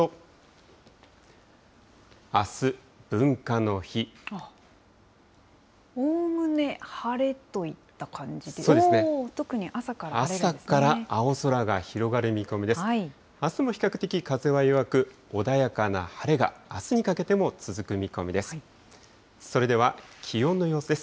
あすも比較的風は弱く、穏やかな晴れが、あすにかけても続く見込みです。